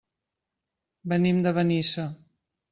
Venim de Benissa.